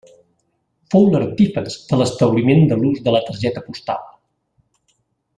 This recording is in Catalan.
Fou l'artífex de l'establiment de l'ús de la targeta postal.